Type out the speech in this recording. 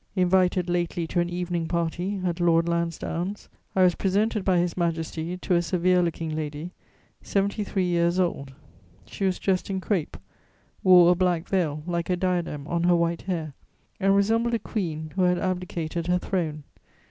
Invited lately to an evening party at Lord Lansdowne's, I was presented by His Majesty to a severe looking lady, seventy three years old: she was dressed in crape, wore a black veil like a diadem on her white hair, and resembled a queen who had abdicated her throne.